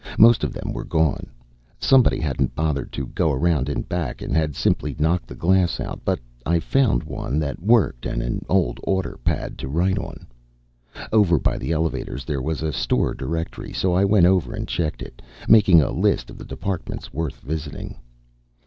Most of them were gone somebody hadn't bothered to go around in back and had simply knocked the glass out but I found one that worked and an old order pad to write on. Over by the elevators there was a store directory, so I went over and checked it, making a list of the departments worth visiting.